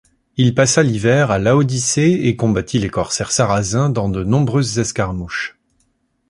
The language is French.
Il passa l’hiver à Laodicée et combattit les corsaires sarrasins dans de nombreuses escarmouches.